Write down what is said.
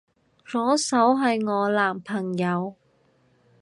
左手係我男朋友